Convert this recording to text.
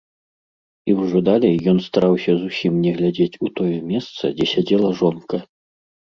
І ўжо далей ён стараўся зусім не глядзець у тое месца, дзе сядзела жонка.